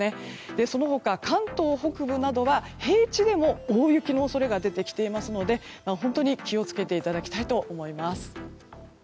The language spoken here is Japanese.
その他、関東北部などは平地でも大雪の恐れが出てきていますので本当に気を付けていただきたいと思います。